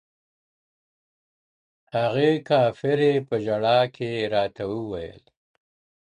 o هغې کافري په ژړا کي راته وېل ه.